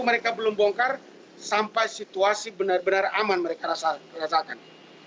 mereka belum bongkar sampai situasi benar benar aman mereka rasakan